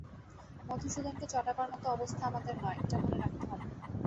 মধুসূদনকে চটাবার মতো অবস্থা আমাদের নয়, এটা মনে রাখতে হবে।